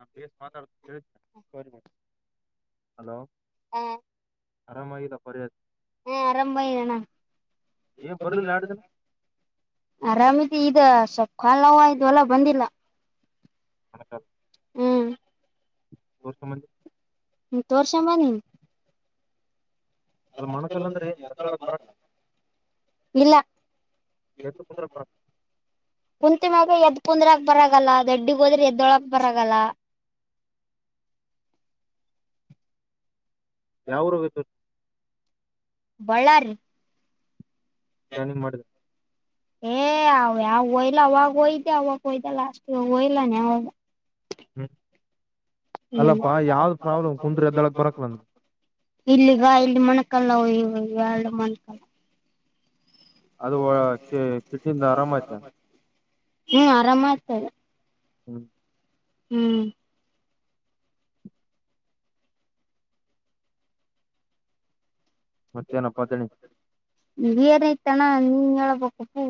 ನಾ ಮಾತಾಡ ಹಲೋ ಹ ಆರಾಮಾಗಿಿದ್ದ ಪರ್ಯತ್ [inaudible] ಹ್ಮ ಆರಾಮ ಇರಣ [unintelligible] ಆರಾಮ ಈ ಸ್ವಲ್ ಕಾಲವ ಆಯು ಅಲ್ಲ ಬಂದಿಲ್ಲ ಹ ಹ್ಮ್ [inaudible] ತೋರ್ಷಂಬ ನೀಿ [inaudible] ಇಲ್ಲ ಅಂತಿಮಾಗ ಎ [inaudible] ಕುಂದ್ರಕ್ ಬರಾಗಲ್ಲ ದೊಡ್ಡಿಗ್ ಹೋದ್ರೆ ಎದ್ದೊಳಕ್ ಬರಲ್ಲ [unintelligible] ಯಾವರುೋಗ [unintelligible] ವಳರು ಸ್ಕ್ಯಾನಿಂಗ್ನಿ‌ ಮಾಡುದು ಏ ಅವ ಯಾವ ಹಯ್ಲ ಅವಾಗ ಹಯತೆ ಅವಾಗ ಹಯ್ತ ಲಾಸ್ಟ್ಗೋಯ್ಲ ನ ಹ್ಮ್ ಅಲ್ಲಪ್ಪಾ ಯಾವ್ದ ಪ್ರಾಬ್ಲಮ್ ಕುಂದ್ರ ಎದ್ದೊಳಗ್ ಬರಕ್ಲ ಅಂದ್ರ ಇಲ್ಲಿಗ ಇಲ್ಲಿ ಮೊಣಕಲ್ಲ ಈ ಎಲ್ಲ ಮಣಕಲ್ಲ ಅದು ಕಿಟ್ಟಿಂದ ಆರಾಮ ಆಯ್ತ ಹ್ಮ್ ಆರಾಮ ಆ್ತದೆ ಹ್ಮ್ ಹ್ಮ್ ಮತ್ತೇನಪ್ಪಾ ದಣಿ ನೀವ ಏನ್ಐತಣ್ಣ ನೀನ್ ಹೇಳ್ಬೇಕು ಹೂ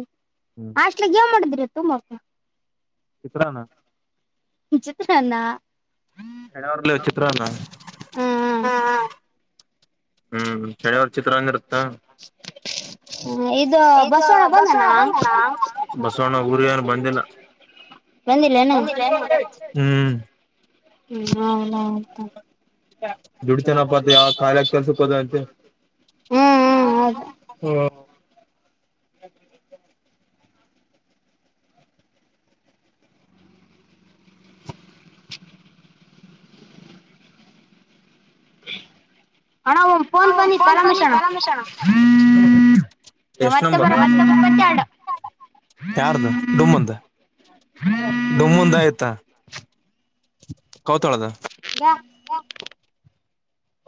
ಅಷ್ಟಲಗ್ ಏನ ಮಾಡಿದ್ರಿ ತು ಮ [unintelligible] ಚಿತ್ರಾನ್ನ ಜಿತ್ರನ್ನ ಹಡವರ್ಲ್ಲ ವಚತ್ರರುವಣ [unintelligible] ಹ್ಮ್ ಶನಿವಾರ್ ಚಿತ್ರನಿರುತ್ತ ಇದು ಬಸವಣ ಬಂಧನ ಬಸವಣ್ಣ ಊರಿಗ ಹೋಗ್ಯಾನ ಬಂದಿಲ್ಲ ಹ್ಮ ಹ್ಮ ಹಂಗಾ ಆಡತನಾ ಹ್ಮ್ ಹ್ಮ್ ಹೌದಾ [inaudible] [inaudible] ಅಣ ಒಂದ ಫೋನ್ ಬಂದಿತ ಕಲಾ ಮಿಷನ್ ಯವಾ ಮತ್ತೆ ಬರಾಕತ್ತೈತ ನಾ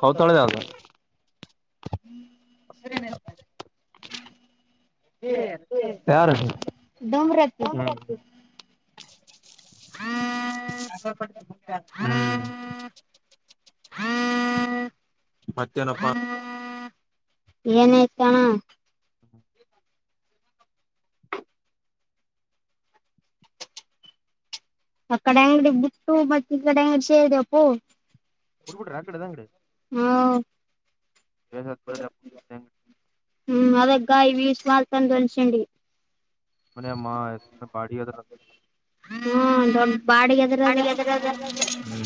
ಸೌತಳೆದ ಆಗ ಬಾರದ [unintelligible] [inaudible] ಯಾರ ಅದು ಹ್ಮ ಹ್ಮ್ ಮತ್ತೇನಪ್ಪ ಏನಾಯ್ತಣ [inaudible] ಅಕಡೆ ಇಂದಾ ಬಿಟ್ಟು ಬಟ ಇ ಕಡೆ ಎಬಸಿ ದೆಪ್ಪೂ ಬುಟ ಬುಟರಾ ಆ ಕಡೆದ ಅಂಗಡಿ ಹಾ ಬೇಗಾ ಕುಲಗಪ ಸೇಮ ಹ್ಮ್ ಅದ ಗಾಯ ವೀಲ್ಸ ವಾಸ ಅಂದ ಅನಸ್ಕೂಂಡಿ ಮರೇ ಮಾಯ ಬರೀ ಬಾಡಿಯೋದಾಗ ಗಾಡಿ ಎದರಾಗ ಹ್ಮ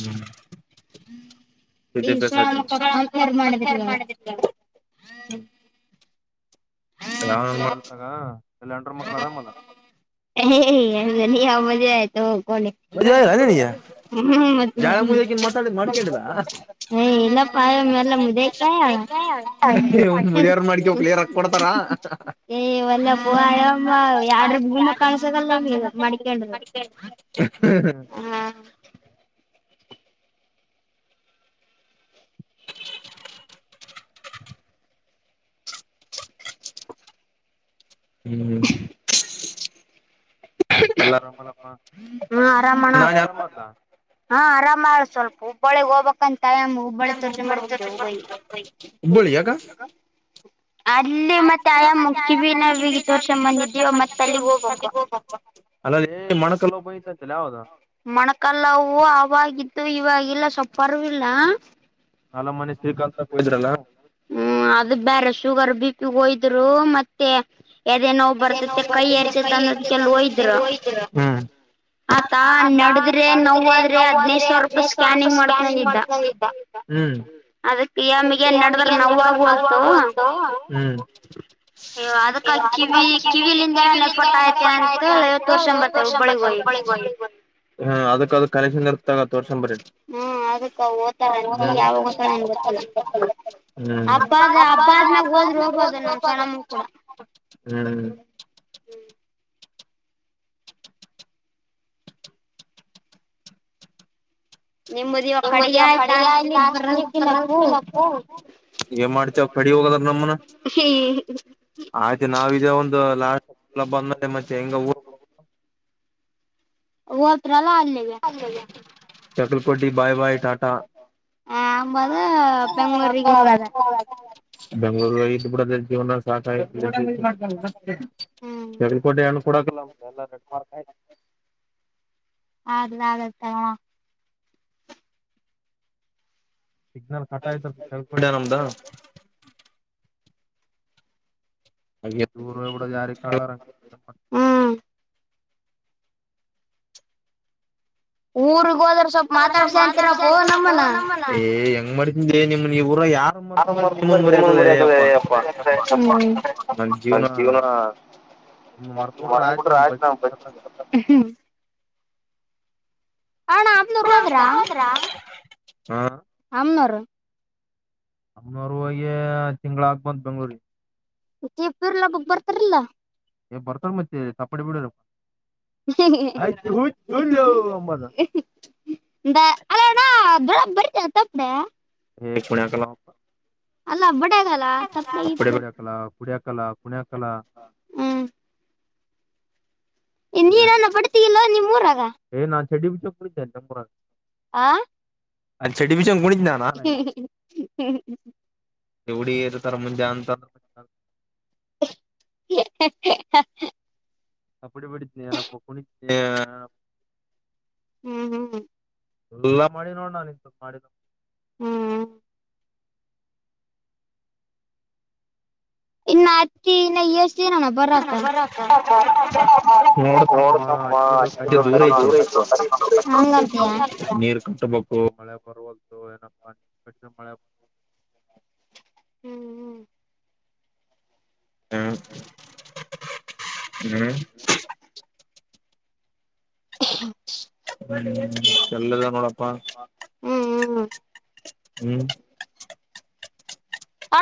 ಎ ಸೂಳೆಮಕಳೂ ಕಂಪನೀ ಅವ್ರ ಮಾಡೀರೂದ ಈಗ ಯಾವನ್ ಮಾಡ್ತಗ ನಿನ ಹೆಂಡರ ಮಕ್ಳ ಆರಾಮಲ್ಲಾ ಯವಗ [inaudible] ಹ್ಮ್ ಅಂತಿನ ನಿಂದುರ ಎ ಇಲ್ಲಾ ಪಾ ಎಲ್ಲಾ ಮುದೈತಲಾ ಏ ಒಲ್ಲಪ್ಪಯಮ್ಮ ಯಮಾ ಯಾಡ್ರೂ ಗೂಮಕ ಕಾಣಸಕಲ್ಲ ಮಡಿಕೆಂಡ್ರು ಹಾ [inaudible] ಹ್ಮ್ ಎಲ್ಲಾರಮಲ್ಲ ಹಾ ಆರಾಮಣ ಹಾ ಆರಾಮ [unintelligible] ಮಾಡ ಸ್ವಲ್ಪು ಹುಬ್ಬಳಿಗ್ ಹೋಗಬೇಕಂತ ತಾಳೆಮ ಹಬ್ಬಳಿ ತೋರ್ಸ್ಕಕ್ಯೂ ಬರ್ಬೇಕೂ ಇವಾಗ ಹೋಗಿ ಅಲ್ಲಿ ಮತ್ತೆ ಆಯಮ್ಮ ಕಿವಿ ನೋವಿಗೆ ತೋರಸಕೊಂಡ ಬಂದಿದವಿ ಮತ್ತೆ ಅಲ್ಲಿಗ್ ಹೋಗ್ಬೇಕು ಎ ಮಣಕಲ ನೋವ ಬಂದಿತತೇ ಮೊಣಕಲ್ಲವು ಅವಾಗ ಇತು [inaudible] [inaudible] ಇವಾಗಿಲ್ಲ ಸ್ವಲಪ ಪರ್ವಿಲ್ಲ ಹ್ಮ್ ಅದು ಬೇರೆ ಶುಗರ್ ಬಿ ಪಿ ಹೋಯ್ದ ಮತ್ತೆ ಅ ನೋ ಬ ಕೈ ಇರ್ತಂದ ಹೋ್ತರ ತಾ ಅಂಟಾಡಿದ್ರೆ ನೋಾದ್ರೆ ಹದ್ಿನೈದು ಸಾವಿರ ರೂಪಾಯಿ ಸ್್ಯಾನಿಂಗ್ ಮಾಡ್ಕಿದ್ದ ಮಗ ನ್ ನಡದ್ರ ನೋವಾಗುವ ಅಂತು ಅದ್ಮ ಕಿವಿ ಕಿವಿಲಿ ಐತೆ ಅಂತ ತೋರ್ಸ ಬತಬಳಿಗ್ ಹೋಗಿ ಹ್ಮ ಅದಕ್ಕ ಓ್ತಾರಂತೆ ಯಾವಾಗ ಗೊತ್ತಳ ನಏನ್ಗೆ ಗೊತ್ತಲ್ಲ ಅ್ಮ [unintelligible] ನಿಮ್ಮದಿ ಒ ಕಡೆಗ ಚಾಸ್ಲಿ ಬರಲ್ಲಪ್ಪು ಹ [inaudible] ಹ ಲ್ಲ ಅಲ್ಲಗೆ ಚಕಲಕೋಟ್ಟಿ ಬಾಯ್ ಬಾಯ್ ಟಾಟಾ ಬೆಂಗ್ೂರು ಇ ಅೊಂಡ [unintelligible] ಸಾ ಚಕೋಟೆ ಹಣ್ಣು ಕೊೂಡಕಲ್ಲ ಎಲ್ಲ ಆಯು [unintelligible] ಬಲ ಆದತ [unintelligible] ಸಿಗ್ನಲ್ ಕಟ ಆಯ್ತ ಸಿಲ್ ಕುಡ ನಮ್ದ ಹ ಟೂರು ಇ ಜಾರ [unintelligible] ಊರು ಏ ಹೆಂಗ ಮಾಡ್ತನ್ ನಿಮ್ ಇವರ ಯಾರ ಮರ್ತ ಮ ನಿಮ್ಮನ್ ಮರಿ ಆಕದಪ್ಪ ನ ಜೀವನ ನಿಮ ಮರ್ತ್ಬಿಟ್ರೆ ಆ್ ನಾ ಬ ಾ [unintelligible] ಅಮ್ಮ್ನರು ಅಮ್ನೋರ್ ಹೋಗಿ ತಿಂಗ್ಲ್ ಗ್ಬಂದ್ ಬೆಂಗ್ಳೂರಿಗೆ ಕೆೇಪೂರ್ಲ್ಲ ಬಕ್ ಬರ್ತಾರಲ್ಲ [unintelligible] ಬರ್ತಾರ ಮತ್ತೆ ತಪ್ಪಡಿ ಬಿಡು ಅ್ ಹ ಹ ಯಾವ ಅಮ್ಮ [unintelligible] ಬರಿ ತಪ್ಪ [unintelligible] ಹ ಕುಣಕಲ್ಲ ಅಲ್ಲಬಡ ಲ್ಲ ಆತ್ತಪಡೆ ಇಪಡೆ ಕಲ ಕುಣ ಕಲ ನೀನನ್ನ ಪಡ್ತಲ್ವಾ ನಿ [unintelligible] ಹ [unintelligible] ಏ ನಾ ಚೆಡ್ಡಿ ಬಿಚ್ಚಾಕ ಹೋಗಿದೇನ ಚಪ್ರಾ [unintelligible] ಆ ಆ ಚಡ್ಡಿ ಬಿಚ್ ಹ್ಮ್ ಹ್ಮ. ಎವಿ ಇತ ತ ಮ ಜ ಅಂತ. ಹ್ಮ ಹ್ಮ. ಅಪ್ಪಡಿ ಬಿಡನನ ಕುಣ. ಹ್ಮ್ ಹ್ಮ್್ಮ. ಎಲ್ಲಾ ಮಾಡಿ ನೋಡ್ಣ ಇನ್ ಸ್ವಲ್ಪ ಮಾಡಿದ. ಹ್ಮ್. ಇನ್ನು ಅಕಿ ಇನ್ನಷ್ಟ. ದಿನ ಬರಾಕ. ಮಾಡ ಪರ್ವಲ್ನ ಪ. ಹ್ಮ್ ಹ್ಮ್. ಹ್ಮ್. ಹ್ಮ್. ಹ್ಮ ಎಲ್ಲದ ನೋಳಪ್ಪ. ಹ್ಮ್.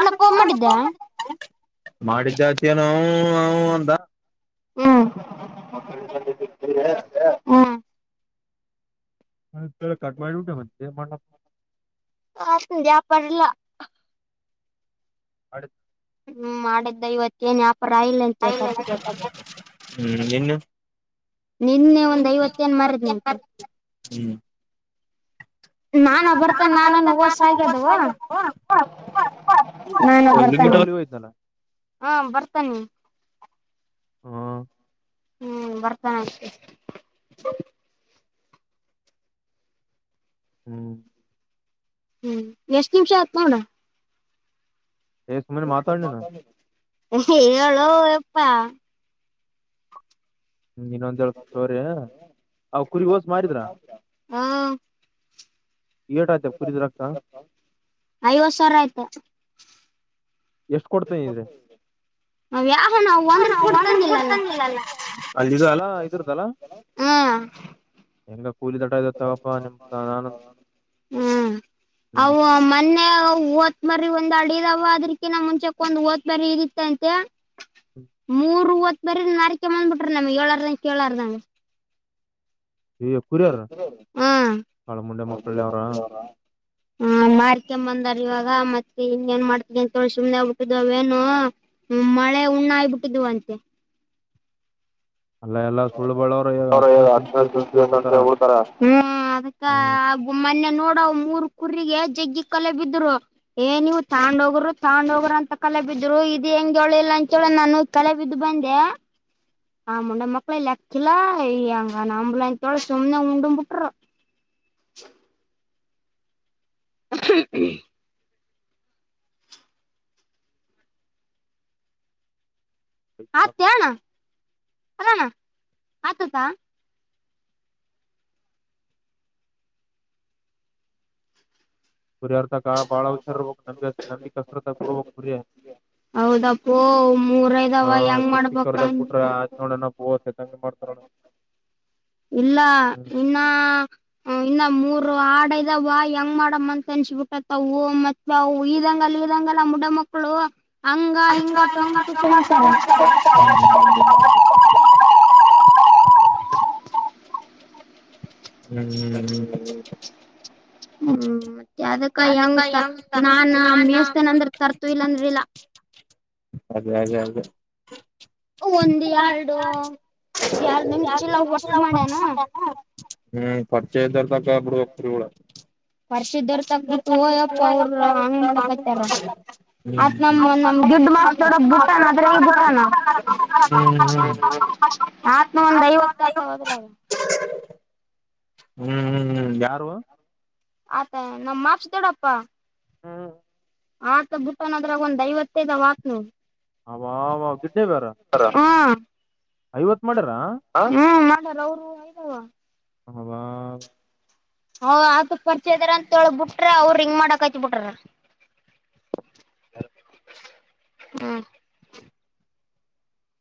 ಅಣ್ಣ ಗ್ ಫೋನ್ ಮಾಡಿದ್ದ ಮಾಡಿದ್ದೆ ಆತ ಏನೋ. ಹ್ಮು ಅಂದ. ಹ್ಮ್. ಮ ಹ್ಮು. ಕಟ್ ಮಾಡ ಬಿಟ್ಟೆ ಮತ್ತ ಏನ್ ಮಾಡದ. ಅಷ್ಟೊಂದು ವ್ಯಾಪಾರ ಇಲ್ಲ. ಅಡ ತ್. ಹ್ಮ್ ಮಾಡಿದ್ದ ಇವತ್ತೇನ್. ಪಾರ ಇಲ್ಲಂತ. ಹ್ಮ್ ನೀನುವು. ನಿನ್ನೆ ಒಂದ್ ಐವತ್ತೇಏನ್ ಮಾರಿದ್ನ ಆಯ್ತ. ನಾನ ಬರ್ತನೆ ನಾನನ್ನು ಓಷ ಆಗ್ಯದವ ನಾನ ಬರ್ತ ಹಾ ಬರ್ತನೆೆ. ಹಾ. ಹ್ಮ್ ಬರ್ತಾನ ಅದಕ್ಕೆ. ಹ್ಮು. ಹ್ಮ್ ಎಷ್ಟ್ ನಿಮಿಷ ಆಯತ್ ನೋಡ. ಎ ಸುಮನೆ ಮಾತಾಡ ನೀನ. ಹ್ಮು ಹೇಳೋ ಎಪ್ಪಾ. ಹ್ಮ್ ಇನ್ನೊಂದ್ ಹೇಳತಿನ್ ಸೋರಿ ಅವ ಕುರಿ ಓಸು ಮಾರಿದ್ರ. ಹಾ. ಐವತ್ತು ಸಾವಿರ ಆಯ್ತಾ. ಎಷ್ಟು ಕೊಡ್ತ ಇದ್ರೆ ಅಲ್ಲ ಇದ್ರದಲ್ಲ. ಎ [unintelligible] ಹ್ಮ ಅವು ಮೊನ್ನೆ ಓದ್ ಬರ್ರಿ ಒಂದ್ ಅಡಿದಾವ ಅದ್ರಕ ನ್ ಮುಂಚೆಕ್ಕೆ ಒಂದು ಓದತ್ ಬ್ರಿ ಇತ್ತ ಅಂತೆ ಮೂರುವತ್ತು ಬರ್ರ ನಾರೀ ಕಮ್ಮಂದ್ ಬಿಟ್ರಿ ನಮ್ ಏಳಾರದ ಕೇಳಾರ್ದ್ ಹಾ ಹ್ಮ ಮಾಡಾಕೆ ಬಂದಾರ ಇವಾಗ ಮತ್ತೆ ಹಿಂಗ ಏನ್ ಮಾಡ್ತ ಅಂತೇಳಿ ಸುಮ್ನೆ ಆಗ್ಬಿಟ್ಟಿದ್ ಅವೇನು ಮಳೆ ಉಣ್ಣ ಆಗಿಬಿಟ್ಟಿದ್ವ ಅಂತೆ [unintelligible] ನಡ ಮೂರ್ ಕುರಿಗೆ ಜಗ್ಗಿ ಕಲೆ ಬಿದ್ರು ಏ ನೀವು ತಾಂಡ್ ಹೋಗರು ತಾೊಂಡ ಹೋಗ್ರ ಅಂತ ಕಲೆ ಬಿದ್ರು ಇದ ಹೆಂಗಗೆ ಹೇಳಿಲ್ಲ ಅಂತೇಳ ನಾನು ಕಲೆ ಬಿದ್ದು ಬಂದೆ ಆ ಮುಂಡೆ ಮಕ್ಳ ಲೆಕ್ಕಿಲ್ಲ ಈಂಗನ್ ನಂಬ್ಲಿ ಅಂತ ತೊಳ ಸುಮ್ನೆ ಉಂಡಮ್ ಬಿಿಟ್ರು ್ಮ [unintelligible] ಹತ್ಯಣ ಅಲಾನ ಆತತ ಹುರಿಯರ್ದಾಗ ಆ ಬಾಳ ಹುಷಾರ್ರ್ಕ್ ನಂಬಿ ನಂಬಿಸರದಾಗಡ್ಬಕ್ ಹುರಿಯ ಆ ಶಿಕ್ಷಕರ್ದಾಗ ಬಿಟ್ರೆ ಆ ನೋಡನಂಗ ಮಾಡ್ತಾರೋಣ ಇಲ್ಲ ಇನ್ನ ಇನ್ನ ಮೂರ್ ಆಡ ಇದ್ದಾವ ಹೆಂಗ್ ಮಾಡಮ್ಮ ಅಂತ ಅನ್ಸಬಿಟ್ಟತ್ವು ಮತ್ತ ಇದಂಗಲ್ಲ ಇದಂಗಲ್ಲ ಮುಡ ಮಕ್ಕಳು ಹಂಗ ಹಂಗತ ಹಂಗ [unintelligible] ಹ್ಮ್ ಮತ್ತೆ ಅದಕ್ಕ ಹೆಂಗ ನಾನ ಮೇಸ್ತನ ಅಂದ್ರ ತರ್ತು ಇಲ್ಲಾಂದ ಅದೇ ಅದೇ ಅದೇ ಬತ ಮಾಡಾನ [unintelligible] ಹ್ಮ್ ಚೇತ ತ ಅ ಅರು [unintelligible] ಹ್ಮ್ ಹ್ಮ್ ಹ್ಮ್ ಯಾರು ಆತಾ ನಮ್ಮ್ ಮಾಷ ತಡಪ್ಪಾ ಆತ ಬುಟ್ಟಾನೋದ್ರಾಗ ಒಂದ್ ಐವತ್ತೈದ ಆತ್ ಹ ಿಡ್ಡೇ ಬ್ಯಾರ [unintelligible] ಹ್ಮ ಮಾಡ ಅವರು [unintelligible] ಹವಾ [unintelligible] ಹ ಆ ಪರ್ಚ ಇದದಾರ ಅಂತೊಳಗ್ ಬಿಟ್ರ ಅವ್ರ ರಿಂಗ್ ಮಾಡಕ್ ಆಯತ್ ಬಿಟ್ರ ಹ [unintelligible] ಹ್ಮ